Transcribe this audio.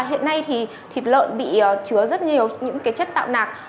hiện nay thì thịt lợn bị chứa rất nhiều những chất tạo nạc